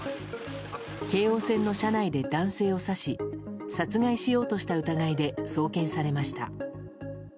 京王線の車内で男性を刺し殺害しようとした疑いで送検されました。